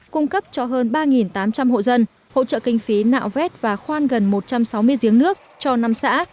cung cấp cho hơn ba tám trăm linh hộ dân hỗ trợ kinh phí nạo vét và khoan gần một trăm sáu mươi giếng nước cho năm xã